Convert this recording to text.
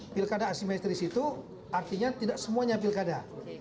pilkada asimetris itu artinya tidak semuanya pilkada